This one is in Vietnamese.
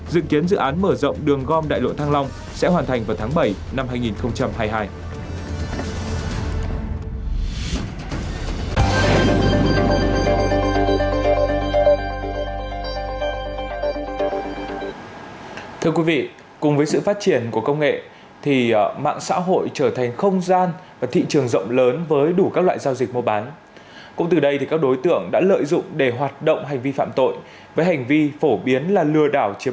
dự kiến dự án mở rộng đường gom đại lộ thăng long sẽ hoàn thành vào tháng bảy năm hai nghìn hai mươi hai